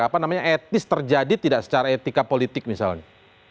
apa namanya etis terjadi tidak secara etika politik misalnya